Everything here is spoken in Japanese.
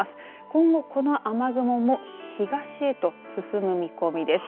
今後この雨雲も東へと進む見込みです。